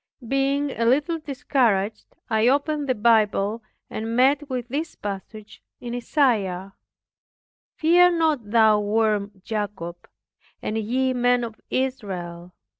Being a little discouraged, I opened the Bible, and met with this passage in Isaiah, "Fear not thou worm Jacob, and ye men of Israel.